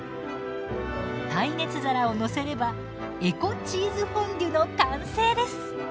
耐熱皿を載せればエコ・チーズフォンデュの完成です！